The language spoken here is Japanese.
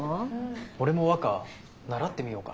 俺も和歌習ってみようかな。